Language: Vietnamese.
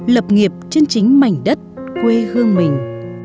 lập nghiệp trên chính mảnh đất quê hương mình